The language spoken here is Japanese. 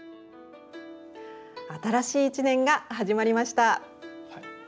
新しい１年が始まりました。